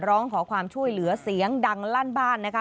ร้องขอความช่วยเหลือเสียงดังลั่นบ้านนะคะ